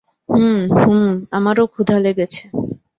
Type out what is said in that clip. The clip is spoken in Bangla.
হুম, হুম, আমারও ক্ষুধা লেগেছে।